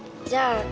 じゃあ。